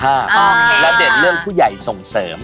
แล้วเด่นเรื่องผู้ใหญ่ส่งเสริม